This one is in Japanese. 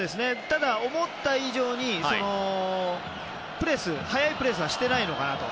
ただ、思った以上に早いプレスはしていないのかなと。